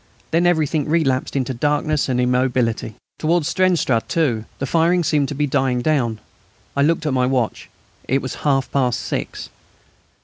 Then everything relapsed into darkness and immobility. Towards Steenstraate, too, the firing seemed to be dying down. I looked at my watch. It was half past six.